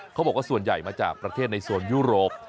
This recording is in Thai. เขาบอกว่าส่วนใหญ่มาจากประเทศในโซนยุโรป